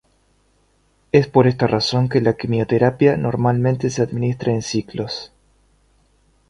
Es por esta razón que la quimioterapia normalmente se administra en ciclos.